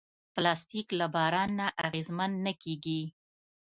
پلاستيک له باران نه اغېزمن نه کېږي.